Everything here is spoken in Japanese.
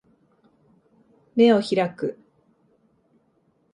眼を開く